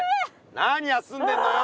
なに休んでんのよ。